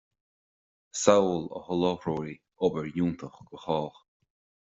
samhail a sholáthróidh obair fhiúntach do chách